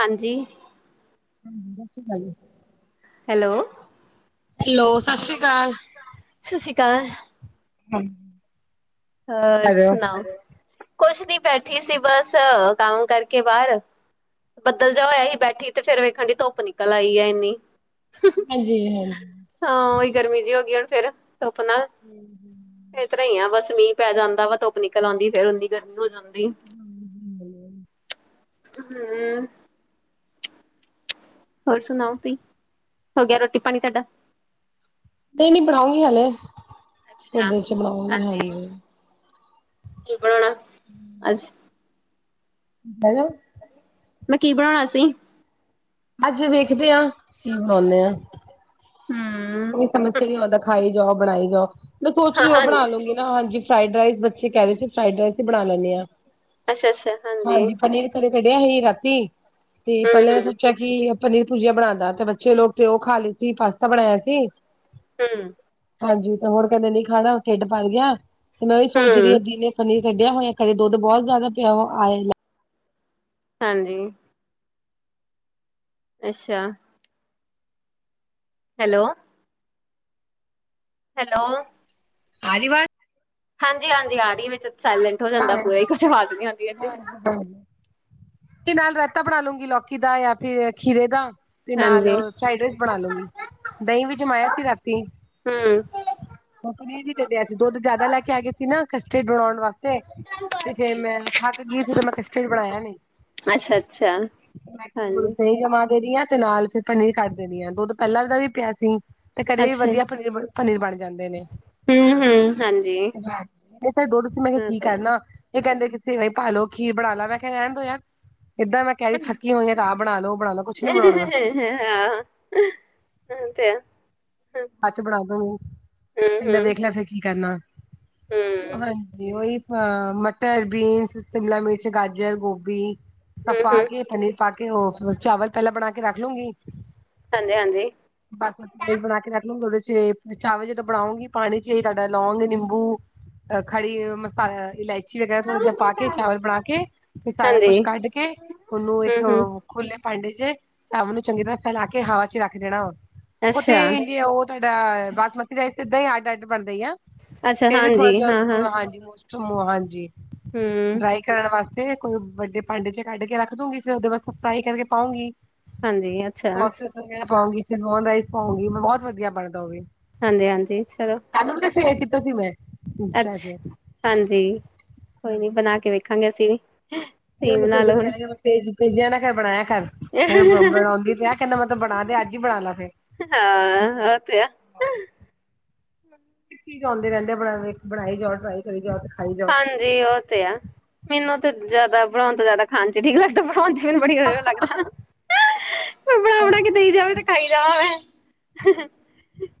ਹਾਂਜੀ। ਹੂੰ ਤੁਸੀਂ ਖਾਈਆਂ। ਹੈਲੋ, ਹੈਲੋ ਸਤਿ ਸ਼੍ਰੀ ਅਕਾਲ। ਸਤਿ ਸ਼੍ਰੀ ਅਕਾਲ। ਹੂੰ। ਹੋਰ ਸੁਣਾਓ ਕੁਛ ਨਹੀਂ ਬੈਠੀ ਸੀ। ਬਸ ਕੰਮ ਕਰਕੇ ਬਾਹਰ। ਬੱਦਲ ਜਾ ਹੋਇਆ ਸੀ। ਬੈਠੀ ਤੇ ਫੇਰ ਵੇਖਣ ਦੇਈ ਧੁੱਪ ਨਿਕਲ ਆਈ ਹੈ ਇੰਨੀ। ਹਾਂਜੀ -ਹਾਂਜੀ। ਹਾਂ ਉਹੀ ਗਰਮੀ ਜਿਹੀ ਹੋ ਗਈ ਹੁਣ ਫੇਰ ਧੁੱਪ ਨਾਲ, ਇਸ ਤਰਾਂ ਹੀ ਆ ਬਸ ਮੀਂਹ। ਪੈ ਜਾਂਦਾ ਵਾ ਧੁੱਪ ਨਿਕਲ ਆਉਂਦੀ। ਫੇਰ ਓਨੀ ਗਰਮੀ ਹੋ ਜਾਂਦੀ। ਹੂੰ। ਹੋਰ ਸੁਣਾਓ ਤੁਸੀਂ, ਹੋ ਗਿਆ ਰੋਟੀ ਪਾਣੀ ਤੁਹਾਡਾ। ਨਹੀਂ -ਨਹੀਂ ਬਣਾਉਂਗੀ ਹਲੇ, ਥੋੜੀ ਅੱਛਾ ਦੇਰ'ਚ ਬਣਾਉਂਗੀ ਹਾਂਜੀ। ਕੀ ਬਣਾਉਣਾ ਅੱਜ। ਹੈਲੋ ਮੈਂ ਕੀ ਬਣਾਉਣਾ ਅਸੀ ਅੱਜ ਵੇਖਦੇ ਹਾਂ, ਕੀ ਬਣਾਉਦੇ ਆਂ ਹਮ ਕੋਈ ਸਮਝ ਨੀ ਆਉਂਦਾ ਖਾਈ ਜਾਓ ਬਣਾਈ ਜਾਓ ਮੈ ਸੋਚ ਹਾਂ ਰਹੀ ਉਹ ਹਾਂ ਬਣਾ ਲੂੰਗੀ ਹਾਂਜੀ ਫਰਾਈਡ ਰਾਈਸ ਬੱਚੇ ਕਹਿ ਰਹੇ ਸੀ ਫਰਾਈਡ ਰਾਈਸ ਹੀ ਬਣਾ ਲੈਦੇ ਆ, ਅੱਛਾ ਅੱਛਾ ਹਾਂਜੀ ਪਨੀਰ ਘਰੇ ਕੜਿਆ ਸੀ ਰਾਤੀ ਤੇ ਹਮ ਪਹਿਲਾਂ ਹਮ ਸੋਚਿਆ ਕਿ ਪਨੀਰ ਭੁਜੀਆ ਬਣਾਉਂਦਾ ਤੇ ਬੱਚੇ ਲੋਕ ਤੇ ਉਹ ਖਾ ਲਈਏ ਸੀ ਪਾਸਤਾ ਬਣਾਇਆ ਸੀ ਹਮ ਹਾਂਜੀ ਤੇ ਹੁਣ ਕਹਿੰਦੇ ਨਹੀਂ ਖਾਣਾ ਢਿੱਡ ਪਰ ਗਿਆ ਤੇ ਮੈਂ ਉਹੀ ਸੋਚ ਹਮ ਰਹੀ ਅਧੀ ਨੇ ਪਨੀਰ ਕੱਢਿਆ ਹੋਇਆ ਕਦੇ ਦੁੱਧ ਬਹੁਤ ਜ਼ਿਆਦਾ ਪਇਆ ਆਆ ਹਾਂਜੀ ਅੱਛਾ ਹੈਲੋ ਹੈਲੋ ਆ ਰਹੀ ਆਵਾਜ। ਹਾਂਜੀ ਹਾਂਜੀ ਆ ਰਹੀ ਵਿੱਚ ਸਾਇਲੈਂਟ ਹੋ ਜਾਂਦਾ ਪੂਰੇ ਕੁਝ ਆਵਾਜ਼ ਨੀ ਆਉਂਦੀ ਹੈ ਜੀ। ਹਾਂ ਤੇ ਨਾਲ ਰਾਇਤਾ ਬਣਾ ਲਾਗੀ ਲਾਉਗੀ ਲੌਕੀ ਦਾ ਜਾਂ ਫਿਰ ਖੀਰੇ ਦਾ। ਤੇ ਨਾਲ ਹਾਂਜੀ। ਫਰਾਈਡ ਰਾਈਸ ਬਣਾ ਲਉਗੀ ਦਹੀਂ ਵੀ ਜਮਾਇਆ ਸੀ ਰਾਤੀ। ਹਮ ਹ ਪਨੀਰ ਵੀ ਪਿਆ ਸੀ ਦੁੱਧ ਜ਼ਿਆਦਾ ਲੈ ਕੇ ਆ ਗਏ ਸੀ ਨਾ ਕਸਟਰਡ ਬਣਾਉਣ ਵਾਸਤੇ। ਤੇ ਫੇ ਮੈਂ ਥੱਕ ਗਈ ਤੇ ਮੈਂ ਕਸਟਰਡ ਬਣਾਇਆ ਨਹੀਂ। ਅੱਛਾ ਅੱਛਾ। ਮੈਂ ਕਿਹਾ ਦਹੀ ਹੀ ਜਮਾ ਦੇ ਰਹੀ ਹਾਂ ਤੇ ਨਾਲ। ਪਨੀਰ ਕੱਢ ਦੇਣੀ ਆ ਦੁੱਧ ਪਹਿਲਾਂ ਦਾ ਵੀ ਪਿਆ ਸੀ ਤੇ ਕਦੇ ਵੀ ਅੱਛਾ, ਵਧੀਆ ਪਨੀਰ ਪਨੀਰ ਬਣ। ਨੇ ਹੂੰ-ਹੂੰ, ਹਾਂਜੀ। ਇ [inaudible] ਦੋ ਤੁਸੀਂ ਮੈਂ ਕਿਹਾ ਹਾਂ ਕੀ ਤੇ ਹੈ। ਕਰਨਾ ਇਹ ਕਹਿੰਦੇ ਕਿ ਸੇਵੀਆਂ ਪਾ ਲਓ ਖੀਰ ਬਣਾ ਲਾ ਮੈਂ ਕਿਹਾ ਰਹਿਣ ਦਿਓ ਯ ਏਦਾਂ ਮੈਂ ਕਹਿਦੀ ਥੱਕੀ ਹੋਈਆਂ। ਆਹ ਬਣਾ ਲਓ ਉਹ ਬਣਾ ਲਓ ਕੁਛ ਨੀ ਬਣਾਉਣਾ ਮੈਂ ਤੇ ਆ ਹੱਥ ਬਣਾ ਦਿਓ ਕਹਿੰਦਾ ਹੂੰ-ਹੂੰ, ਵੇਖ ਲਿਆ ਫਿਰ ਕੀ ਕਰਨਾ ਹੂੰ, ਤੇ। ਉਹੀ ਹਾਂ ਮਟਰ, ਬੀਨਸ, ਸ਼ਿਮਲਾ ਮਿਰਚ, ਗਾਜਰ, ਗੋਭੀ। ਸਬ ਪਾ ਹੂੰ-ਹੂੰ, ਕੇ ਪਨੀਰ ਪਾ ਕੇ ਉਹ ਚਾਵਲ ਪਹਿਲਾਂ ਬਣਾ ਕੇ ਰੱਖ ਲਉਗੀ। ਹਾਂਜੀ ਹਾਂਜੀ। ਬਾਸਮਤੀ ਬਣਾ ਕੇ ਰੱਖ। ਉਹਦੇ ਚ ਚਾਵਲ ਜਦੋਂ ਬਣਾਉਂਗੀ ਪਾਣੀ ਚ ਤੁਹਾਡਾ ਲੋਂਗ ਨਿੰਬੂ। ਅ ਖੜੀ ਮਸਾਲ ਇਲਾਇਚੀ। ਵਗੈਰਾ ਥੋੜ੍ਹਾ ਜਿਹਾ ਪਾ ਕੇ ਚਾਵਲ ਬਣਾ ਕੇ ਤੇ ਸਾਰਾ ਹਾਂਜੀ, ਕੁਛ ਕੱਢ ਕੇ ਉਹਨੂੰ ਇੱਕ। ਹੂੰ-ਹੂੰ, ਖੁੱਲੇ ਭਾਂਡੇ ਜੇ ਤਾਂ ਉਹਨੂੰ ਚੰਗੀ ਤਰ੍ਹਾਂ ਫੈਲਾ ਕੇ ਹਵਾ ਚ ਰੱਖ ਦੇਣਾ ਵਾ ਉਹ ਤੇ ਅੱਛਾ। ਇੰਡੀਆ ਉਹ ਤੁਹਾਡਾ ਬਾਸਮਤੀ ਦਾ ਸਿੱਧਾਂ ਹੀ ਅੱਡ ਅੱਡ ਬਣਦਾ ਹੀ ਆ। ਅੱਛਾ ਫਿਰ ਵੀ ਹਾਂਜੀ, ਥੋੜਾ ਜਿਹਾ ਹਾਂਜੀ [inaudible] ਹਾਂਜੀ ਹਮ ਡਰਾਈ ਵਾਸਤੇ ਕੋਈ ਵੱਡੇ ਭਾਂਡੇ ਚ ਕੱਢ ਕੇ ਰੱਖ ਦੂਗੀ ਫਿਰ ਉਹਦੇ ਵਾਸਤੇ ਸਲਾਈ ਕਰਕੇ ਪਾਉਂਗੀ। ਹਾਂਜੀ ਅੱਛਾ ਸੌਸਸ ਪਾਉਂਗੀ ਫਿਰ ਰਾਈਸ ਪਾਉਂਗੀ ਬਹੁਤ ਵਧੀਆ ਬਣਦਾ ਉਹ ਵੀ। ਹਾਂਜੀ ਹਾਂਜੀ ਚਲੋ। ਸਾਨੂੰ ਵੀ ਫੇਰ ਕੀਤਾ ਸੀ ਮੈਂ। ਇੰਸਟਾ ਅੱਛ, 'ਚ ਹਾਂਜੀ ਕੋਈ ਨੀ ਬਣਾ ਕੇ ਵੇਖਾਂਗੇ ਅਸੀਂ ਵੀ। ਤੁਸੀਂ ਨੂੰ ਬਣਾ ਭੇਜ ਲਓ ਹੁਣੇ ਕਹਿ ਭੇਜ ਭੇਜਿਆ ਨਾ ਬਣਾਇਆ ਕਰ। ਮ ਬਣਾਉਂਦੀ ਤੇ ਕਹਿੰਦਾ ਮਤਲਬ ਬਣਾ ਦੇ ਅੱਜ ਹੀ ਬਣਾ ਲਾ ਫਿਰ। ਹਾਂ ਉਹ ਤੇ ਹੈ। ਇੱਕ ਚੀਜ਼ ਆਉਂਦੇ ਰਹਿੰਦੇ ਆ ਬਨਣ ਲਈ ਬਣਾਈ ਜਾਓ ਟਰਾਈ ਕਰੀ ਜਾਓ ਤੇ ਖਾਈ ਜਾਓ। ਜੀ ਉਹ ਤੇ ਆ ਮੈਨੂੰ ਤੇ ਜਿਆਦਾ ਬਣਾਉਣ ਤੋਂ ਜਿਆਦਾ ਖਾਣ 'ਚ ਠੀਕ ਲੱਗਦਾ। ਬਣਾਉਣ 'ਚ ਮੈਨੂੰ ਬੜੀ ਉਹ ਲੱਗਦਾ। ਕੋਈ ਬਣਾ ਬਣਾ ਕੇ ਦਈ ਜਾਵੇ ਤੇ ਖਾਈ ਜਾਵਾਂ।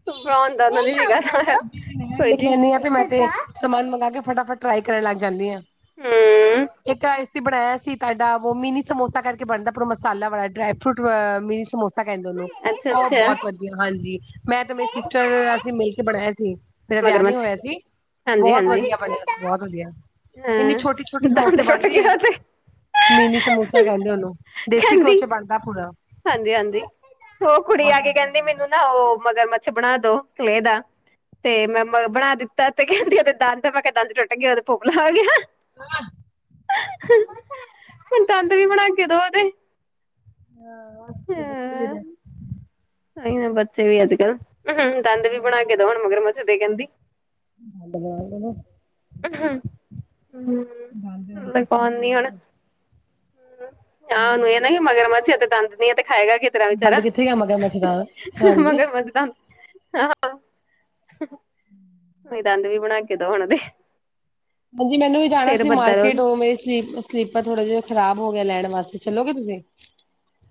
ਬਣਾਉਣ ਦਾ ਉਹਦਾ ਨਹੀਂ ਹੈਗਾ। ਲਿਖ ਲੈਂਣੀ ਆਂ ਤੇ ਮੈਂ ਤੇ ਸਮਾਨ ਮੰਗਾ ਕੇ ਫਟਾਫਟ ਟਰਾਈ ਕਰਨ ਲੱਗ ਜਾਂਣੀ ਆਂ। ਹੂੰ ਇਕ ਆ। ਬਣਾਇਆ ਸੀ ਤੁਹਾਡਾ ਵੋ ਮਿੰਨੀ ਸਮੋਸਾ ਕਰਕੇ ਬਣਦਾ ਉਪਰੋ ਮਸਾਲਾ ਵਾਲਾ ਡਰਾਈ ਫਰੂਟ ਮਿੰਨੀ ਸਮੋਸਾ। ਕਹਿੰਦੇ ਉਹਨੂੰ ਅੱਛਾ ਉਹ ਅੱਛਾ ਬਹੁਤ ਵਧੀਆ ਹਾਂਜੀ ਮੈਂ ਤਾਂ ਮੇਰੇ ਸਿਸਟਰ ਅਸੀਂ ਮਿਲ ਕੇ ਬਣਾਇਆ ਸੀ। ਮੇਰਾ ਵਿਆਹ ਨਹੀਂ ਮਗਰਮੱਛ ਹੋਇਆ ਸੀ। ਹਾਂਜੀ ਬਹੁਤ ਹਾਂਜੀ ਵਧੀਆ ਬਣਿਆ ਸੀ ਬਹੁਤ ਵਧੀਆ ਇੰਨੀ ਛੋਟੀ-ਛੋਟੀ ਹਾਂ ਦੰਦ ਸਮੋਸੇ ਟੁੱਟ ਬਣਦੇ ਆ। ਗਿਆ ਤੇ ਮਿੰਨੀ ਸਮੋਸਾ ਕਹਿੰਦੇ ਉਹਨੂੰ, ਦੇਸੀ ਘਿਓ 'ਚ ਬਣਦਾ ਪੂਰਾ ਹਾਂਜੀ -ਹਾਂਜੀ, ਉਹ ਕੁੜੀ ਬਹੁਤ ਆ ਕੇ ਵਧੀਆ ਕਹਿੰਦੀ ਬਣਦਾ ਮੈਨੂੰ ਨਾ ਉਹ ਮਗਰ ਮੱਛ ਬਣਾ ਦੋ ਕਲੇਹ ਦਾ। ਤੇ ਮੈਂ ਮ ਬਣਾ ਦਿੱਤਾ ਤੇ ਕਹਿੰਦੀ ਦੇ ਦੰਦ ਮੈਂ ਕਿਹਾ ਦੰਦ 'ਚ ਟੁੱਟ ਗਏ ਉਹਦੇ ਪੋਪਲਾ ਹੋ ਗਿਆ। [inaudible] [inaudible] ਦੰਦ ਵੀ ਬਣਾ ਕੇ ਦੋ ਉਹਦੇ [inaudible] [inaudible] ਨਹੀਂ ਬੱਚੇ ਵੀ ਅੱਜ ਕੱਲ [inaudible] ਦੰਦ ਵੀ ਬਣਾ ਕੇ ਦੋ ਹੁਣ ਮਗਰ ਮੱਛ ਦੇ ਕਹਿੰਦੀ। [unintelligible] [unintelligible] [inaudible] ਮੈਂ ਪਾਣੀ ਹਨਾ। ਆਹ ਉਹਨੂੰ ਇਹ ਨਾ ਕਿ ਮਗਰਮਛ ਸੀ ਤੇ ਦੰਦ ਨੀ ਆ ਤੇ ਖਾਏਗਾ ਕਿਸ ਤਰਾ ਬੰਦ ਵਿਚਾਰਾ- ਕਿੱਥੇ ਗਿਆ ਮਗਰ ਮਛਦਾ ਹਾਂਜੀ ਮਗਰਮਛ ਦੰਦ ਆਹੋ [inaudible] [inaudible] ਦੰਦ ਵੀ ਬਣਾ ਕੇ ਦੋ ਹੁਣ ਉਹਦੇ ਹਾਂਜੀ ਮੈਨੂੰ ਵੀ ਜਾਣਾ ਫੇਰ ਸੀ ਬੱਦਲ ਮਾਰਕੀਟ, ਉਹ ਮੇਰੀ ਸਲੀਪਰ ਥੋੜੇ ਜਿਹੇ ਖਰਾਬ ਹੋ ਗਿਆ ਲੈਣ ਵਾਸਤੇ ਚੱਲੋਗੇ ਤੁਸੀਂ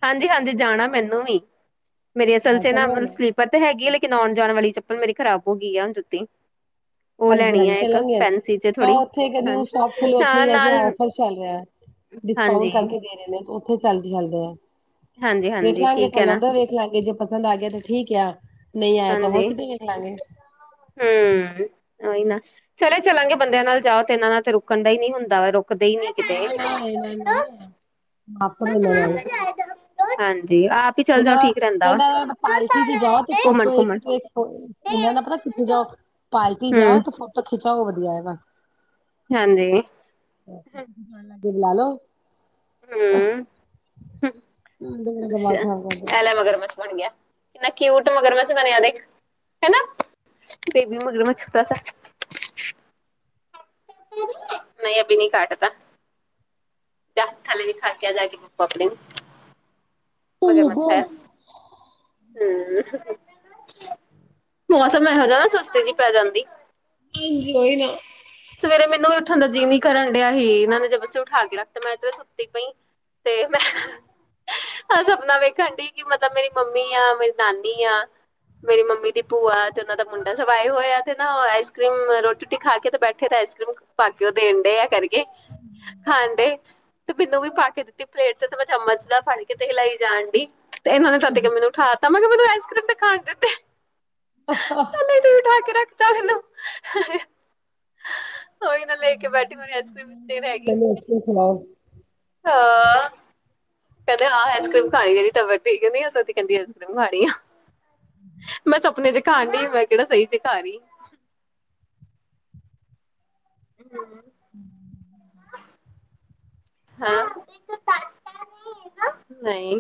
ਹਾਂਜੀ- ਹਾਂਜੀ ਜਾਣਾ ਮੈਨੂੰ ਵੀ, ਮੇਰੀ ਅਸਲ ਹਾਂ 'ਚ ਨਾ ਚਲੋ ਵੰਨ ਸਲੀਵ ਪਤਾ ਹੈਗੀ ਹੈ ਲੇਕਿਨ ਆਉਣ ਜਾਣ ਵਾਲੀ ਚੱਪਲ ਮੇਰੀ ਖਰਾਬ ਹੋ ਗਈ ਆ ਹ ਜੁੱਤੀ ਉਹ ਹਾਂਜੀ ਲੈਣੀ -ਹਾਂਜੀ ਆ ਇੱਕ ਚੱਲਣਗੇ ਫੈਂਸੀ ਚ ਹਾਂ ਥੋੜ੍ਹੀ ਉੱਥੇ ਇਕ ਨਿਊ ਹਾਂਜੀ ਸ਼ੋਪ ਖੁੱਲੀ ਉਥੇ ਨਾਲ ਨਾਲ ਔਫਰ ਚੱਲ ਰਿਹਾ। ਡਿਸਕਾਊਂਟ ਹਾਂਜੀ। ਕਰਕੇ ਦੇ ਰਹੇ ਨੇ ਉੱਥੇ ਚੱਲਦੀ ਚੱਲਦੇ ਆ ਵੇਖ ਹਾਂਜੀ-ਹਾਂਜੀ ਲਾਗੇ ਠੀਕ ਹੈ ਫਲ ਨਾ ਉਧਰ ਏ। ਵੇਖ ਲਵਾਂਗੇ ਜੇ ਪਸੰਦ ਆ ਗਿਆ ਤੇ ਠੀਕ ਆ, ਨਹੀਂ ਆਇਆ ਤਾਂ ਹੋਰ ਹਾਂਜੀ। ਕਿਤੇ ਵੇਖ ਲਵਾਂਗੇ। ਹੂੰ ਉਹੀ ਨਾ, ਚਲੇ ਚਲਾਂਗੇ ਬੰਦਿਆਂ ਨਾਲ ਜਾਓ ਤੇ ਇਹਨਾਂ ਨਾਲ ਤੇ ਰੁਕਣ ਦਾ ਹੀ ਨਹੀਂ ਹੁੰਦਾ ਵਾ ਰੁਕ ਰੁਕਦੇ ਨਹੀਂ ਕਿਤੇ। ਨਾ ਨਾ ਇਹਨਾਂ ਨਾਲ ਨਹੀਂ ਆਉਣਾ ਮਾਪੜ ਇਹਨਾਂ ਨਾਲ ਹਾਂਜੀ ਆਪ ਹੀ ਚੱਲ ਉਹ ਜਾਓ ਠੀਕ ਰਹਿੰਦਾ ਵਾ। ਕਹਿ ਪਾਲਟੀ ਜਾਉ ਤੇ ਫੋਟੋ ਇੱਕ ਘੁੰਮਣ-ਘੁੰਮਣ ਈ। ਇਹਨਾਂ ਦਾ ਪਤਾ ਕਿਥੇ ਜਾਓ ਪਾਰਟੀ ਹੂੰ ਜਾਓ ਤੇ ਫੋਟੋ ਖਿੱਚੋ ਉਹ ਵਧੀਆ ਹੈਗਾ। ਹਾਂਜੀ ਫਿਰ ਲਾ ਲੋ। ਹੂੰ। [inaudible] [inaudible] ਅੱਛਾ ਐ ਲੈ ਮਗਰਮੱਛ ਬਣ ਗਿਆ ਕਿੰਨਾ ਕੀਊਟ ਮਗਰਮਛ ਬਣਿਆ ਦੇਖ ਹਨਾ ਬੇਬੀ ਮਗਰਮੱਛ ਛੋਟਾ ਸਾ ਨਹੀਂ ਅਭਿ ਨਹੀਂ ਕਾਟ ਤਾ ਜਾ ਥੱਲੇ ਦਿਖਾਕੇ ਆ ਆਪਣੇ ਪਾਪਾ ਨੂੰ ਮਗਰਮੱਛ ਓਹੋ ਹੈ। ਹੂੰ ਮੌਸਮ ਇਹੋ ਜਿਹਾ ਨਾ ਸੁਸਤੀ ਜਿਹੀ ਪੈ ਜਾਂਦੀ। [inaudible] ਕੋਈ ਨਾ ਸਵੇਰੇ ਮੈਨੂੰ ਹੀ ਉਠਣ ਦਾ ਜੀ ਨਹੀ ਕਰਨ ਦਿਆ ਸੀ ਇਹਨਾਂ ਨੇ ਜਬਰਦਸਤੀ ਉਠਾ ਕੇ ਰੱਖ ਤੇ ਮੈਂ ਤੇ ਸੁੱਤੀ ਪਈ, ਤੇ ਮੈਂ [inaudible] ਹ ਸਪਨਾ ਵੇਖਣ ਦੀ ਕਿ ਮਤਲਬ ਮੇਰੀ ਮੰਮੀ ਆ ਮੇਰੀ ਨਾਨੀ ਆ। ਮੇਰੀ ਮੰਮੀ ਦੀ ਭੂਆ ਤੇ ਉਹਨਾਂ ਦਾ ਮੁੰਡਾ ਸਭ ਆਏ ਹੋਏ ਤੇ ਨਾ ਆਈਸ ਕਰ੍ਰੀਮ ਰੋਟੀ ਰੁਟੀ ਖਾ ਕੇ ਤੇ ਬੈਠੇ ਤੇ ਆਈਸ ਕਰ੍ਰੀਮ ਬਾਕੀ ਉਹ ਦੇਣ ਦੇ ਆ ਕਰਕੇ, ਖਾਣ ਦੇ ਤੇ ਮੈਨੂੰ ਵੀ ਪਾ ਕੇ ਦਿੱਤੀ ਪਲੇਟ ਤੇ ਤੇ ਮੈਂ ਚਮਚ ਦਾ ਫੜ ਕੇ ਹਿਲਾਈ ਜਾਣ ਦੀ ਤੇ ਇਹਨਾਂ ਨੇ ਸਦ ਕੇ ਮੈਨੂੰ ਉਠਾ ਦਿੱਤਾ ਮੈਂ ਕਿਹਾ ਮੈਨੂੰ ਆਈਸ ਕਰ੍ਰੀਮ ਤੇ ਖਾਣ ਦਿੰਦੇ [unintelligible] ਤੇ ਉਠਾ ਕੇ ਰੱਖਦਾ ਮੈਨੂੰ ਉਈ ਨਾ ਲੈ ਕੇ ਬੈਠੀ ਮੇਰੀ ਆਈਸ ਕਰ੍ਰੀਮ ਵਿਚ ਹੀ ਰਹਿ ਗਈ ਹ [unintelligible] ਹਾਂ ਕਹਿੰਦੇ ਆਈਸ ਕਰੀਮ ਖਾਈ ਜਾਂਦੀ ਤਬੀਅਤ ਠੀਕ ਨੀ ਕਹਿੰਦੀ ਆਈਸ ਕਰੀਮ ਖਾਣੀ ਆ ਮੈਂ ਸਪਨੇ ਚ ਖਾਣ ਦੀ ਮੈਂ ਕਿਹੜਾ ਸਹੀ ਚ ਖਾ ਰਹੀ ਹਮ ਹਮ ਹਾਂ। ਨਹੀਂ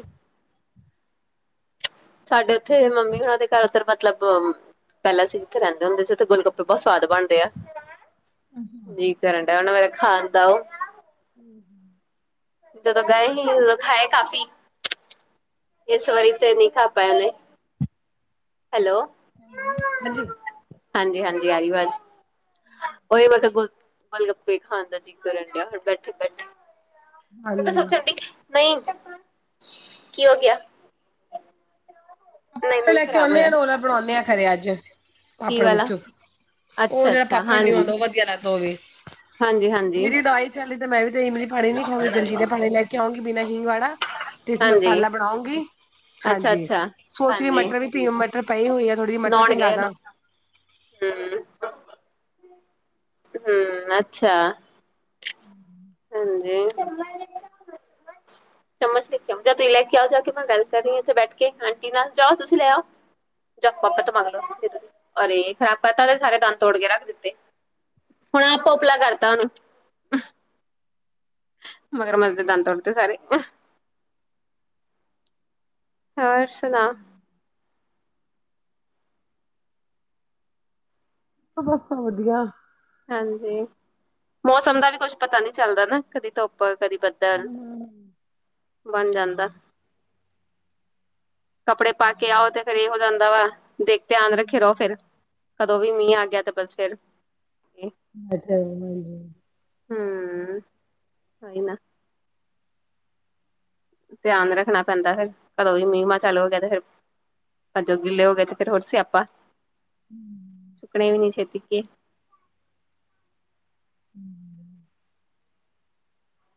ਸਾਡੇ ਉੱਥੇ ਮੰਮੀ ਉਹਨਾਂ ਦੇ ਘਰ ਉਧਰ ਮਤਲਬ ਪਹਿਲਾਂ ਅਸੀਂ ਉਥੇ ਰਹਿੰਦੇ ਹੁੰਦੇ ਸੀ ਉਥੇ ਗਲੱਗਪੇ ਬਹੁਤ ਸਵਾਦ ਬਣਦੇ ਆ। ਜੀ ਕਰਨ ਡ ਉਹ ਖਾਣ ਦਾ ਉਹ [inaudible] ਦ ਤਾਂ ਗਏ ਹੀ, ਖਾਏ ਕਾਫੀ। ਇਸ ਵਾਰੀ ਤੇ ਨਹੀਂ ਖਾ ਪਆ ਨੇ। ਹੈਲੋ, ਹਾਂਜੀ। ਹਾਂਜੀ -ਹਾਂਜੀ ਆਰੀ ਵਾਜ਼। ਉਹੀ ਮਸ ਗ ਗੇਲ -ਗੱਪੇ ਖਾਨ ਦਾ ਜੀਕਰ ਡਿਆਣ ਬੈਠੇ- ਬੈਠੇ। ਹਾਂਜੀ ਸੋਚਣ ਡ ਨਹੀਂ, ਕੀ ਹੋ ਗਿਆ। ਕੱਪੜ ਤੇ ਨਹੀਂ-ਨਹੀਂ ਲੈ ਕੇ ਖ਼ਰਾਬ ਆਉਂਦੇ ਆ ਹੋਇਆ ਰੋਲਾ ਬਣਾਉਂਦੇ ਆ ਘਰੇ ਅੱਜ ਕੀ ਆਪਣੇ ਗੁਚ ਵਾਲਾ -ਗਛੋ। ਉਹ ਜਿਹੜਾ ਅੱਛਾ-ਅੱਛਾ ਪਾਪੜ ਨੀ ਆਉਂਦਾ ਉਹ ਵਧੀਆ ਲੱਦਾ ਉਹਵੇ। ਹਾਂਜੀ -ਹਾਂਜੀ। ਮੇਰੀ ਦਵਾਈ ਚੱਲੀ ਤੇ ਮੈਂ ਵੀ ਤੇ ਮੇਰੀ [unintelligible] ਪਾੜਣੀ ਨੀ ਖਾਾਂਗੀ ਜਲਦੀ ਤੇ ਫ ਪਾੜਣੇ ਲੈ ਕੇ ਆਉਂਗੀ ਬਿਨਾਂ ਹੀਵਾੜਾ ਤੁ ਮਸਾਲਾ ਬਣਾਉਂਗੀ। ਅੱਛਾ- ਹਾਂਜੀ ਅੱਛਾ। ਸੋਚ ਰਹੀ ਮਟਰ ਵੀ ਪੀ ਮਟਰ ਪਈ ਹੋਈ ਥੋੜੀ ਜਿਹੀ ਮਟਰ ਪਿੰਗਾਦਾ। ਹਮ। ਹਮ, ਅੱਛਾ। ਹਮ ਹਾਂਜੀ। ਚਮਚ ਲੈ ਕੇ ਆ ਤੁਸੀਂ ਲੈ ਕੇ ਆਓ ਜਾ ਕੇ ਮੈਂ ਵੈ ਕਰ ਰਹੀ ਇੱਥੇ ਬੈਠ ਕੇ ਆਂਟੀ ਨਾ ਜਾਓ ਤੁਸੀਂ ਲੈ ਆਓ। ਜਾ ਪਾਪਾ ਮੰਗ ਲਓ। ਅਰੇ ਖ਼ਰਾਬ ਪਤਾਦੇ ਸਾਰੇ ਦੰਦ ਤੋੜ ਕੇ ਰੱਖ ਦਿੱਤੇ। ਹੁਣ ਆਪਾਂ ਉਪਲਾ ਕਰਤਾ ਉਹਨੂੰ। ਮਗਰ ਮਜਛ ਤੇ ਦਾਨ ਤੋੜਤੇ ਸਾਰੇ। ਔਰ ਸੁਨਾ। ਬੱਸ ਵਧੀਆ। ਹਾਂਜੀ। ਮੌਸਮ ਦਾ ਵੀ ਕੁੱਛ ਪਤਾ ਨੀ ਚੱਲਦਾ ਨਾ ਕਦੀ ਧੁੱਪ ਕਦੀ ਬਣ ਜਾਂਦਾ। [inaudible] ਕੱਪੜੇ ਪਾ ਕੇ ਆਓ ਤੇ ਫੇਰ ਇਹ ਹੋ ਜਾਂਦਾ ਵਾ। ਦੇਖ ਧਿਆਨ ਰੱਖੇ ਰਹੋ ਫੇਰ ਕਦੋਂ ਵੀ ਮੀਂਹ ਆ ਗਿਆ ਤੇ ਬਸ ਫੇਰ ਅੱ ਚਾ ਹ। ਹਮ। ਆਏ ਨਾ। ਧਿਆਨ ਰੱਖਣਾ ਪੈਂਦਾ ਫੇਰ। ਕਦੋਂ ਵੀ ਮੀਹ- ਮਾਂ ਚੱਲ ਹੋ ਗਿਆ ਤੇ ਫਿਰ ਪਰ ਜੋ ਗਿੱਲੇ ਹੋ ਗਏ ਤੇ ਫੇਰ ਹੋਰ ਸਿਆਪਾ। ਸੁੱਕਣੇ ਵੀ ਨੀ ਛੇਤੀ ਕਿ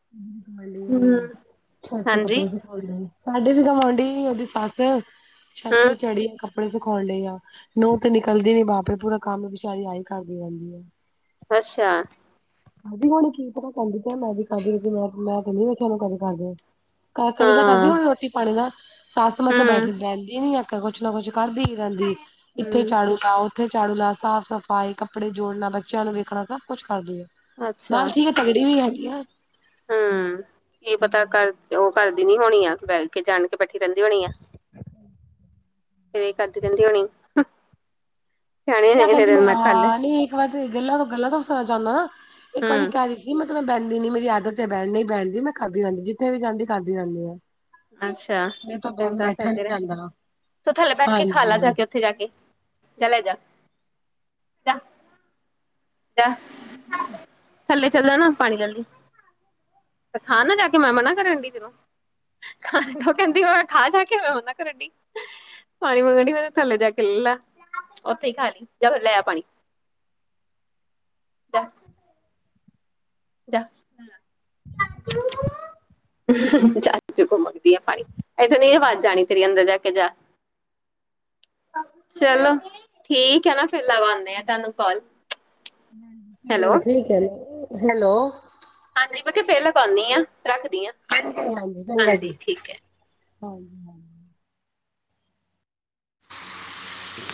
ਹਮ ਹਮ। ਛੱਤ ਤੇ ਕੱਪੜੇ। ਤੇ ਸਾਡੇ ਵੀ ਤੇ ਪਾਉਣ ਡਈ ਉਹਦੀ ਸੱਸ ਛੱਤ ਤੇ ਹੂੰ ਚੜੀ ਆੜ। ਕੱਪੜੇ ਸੇਕੋਣ ਡਈ ਆ। ਆ ਨੂੰਹ ਤੇ ਨਿਕਲਦੀ ਬਾਹਰ ਪੂਰਾ ਕੰਮ ਵਿਚਾਰੀ ਆ ਹੀ ਕਰਦੀ ਰਹਿੰਦੀ ਆ। ਅੱਛਾ। ਕਦੀ ਹੁਣ ਕੀ ਤਰ੍ਹਾਂ ਕਹਿੰਦੀ ਪ ਮੈਂ ਵੀ ਕਰਦੀ ਮੈਂ ਤੇ ਨੀ ਵੇਖਿਆ ਕਦੇ ਕਰਦੇ। ਕਦੇ ਤਾਂ ਕਰਦੀ ਹਾਂ ਹੁਣ ਰੋਟੀ ਪਾਣੀ ਦਾ। ਸੱਸ ਮਤਲਬ ਹੂੰ ਬੈਠੀ ਬਹਿੰਦੀ ਨੀ ਜਾਂ ਕੁੱਛ ਨਾ ਕੁਛ ਕਰਦੀ। ਜਾਂਦੀ। ਇੱਥੇ ਹੂੰ ਝਾੜੂ ਲਾਓ। ਉੱਥੇ ਝਾੜੂ ਲਾ ਤਾ। ਸਾਫ਼ ਸਫ਼ਾਈ ਕੱਪੜੇ ਜੋੜਨਾ ਬੱਚਿਆਂ ਨੂੰ ਵੇਖਣਾ ਸਭ ਕੁਛ ਕਰਦੀ ਹੈ। ਨਾਲ ਅੱਛਾ। ਠੀਕ ਤਗੜੀ ਵੀ ਹੈਗੀ ਆ। ਹਮ, ਇਹ ਪਤਾ ਕਰ ਤੇ ਉਹ ਕਰਦੀ ਨੀ ਹੋਣੀ ਆ। ਬੈਡ ਤੇ ਜਾਣ ਕੇ ਬੈਠੀ ਰਹਿੰਦੀ ਹੋਣੀ ਆ। ਫੇਰ ਇਹ ਕਰਦੀ ਕਹਿੰਦੀ ਹੋਣੀ। ਕਣੇ ਆ ਇਨੇ ਕਹਿੰਦੀ ਦਿਨ ਮੈਂ ਕੱਲ ਹਾਂ ਨੀ ਇੱਕ ਵਾਰ ਗੱਲਾਂ ਤੋਂ ਗੱਲਾਂ ਤੋਂ ਸੁਣਾ ਚਾਹੁੰਦਾ ਨਾ। ਇੱਕ ਵਾਰੀ ਹੂੰ ਕਹਿ ਰੀ ਕਿ ਮਤਲਬ ਬਹਿੰਦੀ ਨਹੀ ਮੇਰੀ ਆਦਤ ਬਹਿਣ ਨਹੀਂ ਬਹਿਣ ਦੀ ਮੈਂ ਖਾਂਦੀ ਰਹਿੰਦੀ ਆ ਜਿੱਥੇ ਵੀ ਜਾਂਦੀ ਆ ਖਾਂਦੀ ਰਹਿੰਦੀ ਆ ਅੱਛਾ, ਇਹ ਤਾਂ ਚੰਗਾ ਫਿਰ ਬੈਠਾ ਨੀ ਤੇਰੇ, ਜਾਂਦਾ ਤੂੰ ਥੱਲੇ ਬੈਠ ਕੇ ਖਾ ਲੈ ਹਾਂਜੀ। ਜਾ ਕੇ ਉੱਥੇ ਜਾ ਕੇ, ਜਾ ਲੈ ਜਾ ਜਾ ਥੱਲੇ ਚੱਲ ਜਾ ਨਾ ਪਾਣੀ ਚੱਲਦੀ ਤੇ ਖਾਂ ਨਾ ਜਾ ਕੇ ਮੈਂ ਮਨਾ ਕਰਨ ਦੀ ਤੈਨੂੰ ਖਾਣ ਨੂੰ ਕਹਿੰਦੀ ਹੋ ਖਾ ਜਾ ਕੇ ਮੈੰ ਮਨਾ ਕਰਨ ਦੀ ਪਾਣੀ ਮੰਗਣ ਦੀ ਮੈਂ ਕਿਹਾ ਤੇ ਥੱਲੇ ਜਾ ਲੈ ਲਾ ਉੱਥੇ ਹੀ ਖਾ ਲਈ ਜਾਂ ਫਿਰ ਲੈ ਆ ਪਾਣੀ ਅ ਜਾ [inaudible] [inaudible] ਚਾਚੂ ਕੋਲ ਮੰਗਦੀ ਆ ਪਾਣੀ, ਇਥੇ ਨਹੀਂ ਇਹ ਆਵਾਜ਼ ਜਾਣੀ ਤੇਰੀ ਅੰਦਰ ਜਾ ਕੇ ਜਾ ਚਲੋ ਠੀਕ ਹੈ ਨਾ, ਫੇਰ ਲਵਾਂ ਇਹਨੂੰ ਹੈਲੋ ਠੀਕ ਹੈ ਹੈਲੋ ਹਾਂਜੀ ਮ ਫੇਰਾਂ ਪਾਉਂਦੀ ਆ ਰੱਖਦੀ ਹਾਂ ਹਾਂਜੀ ਚੰਗਾ ਜੀ, ਹਾਂਜੀ-ਹਾਂਜੀ। [inaudible] [inaudible]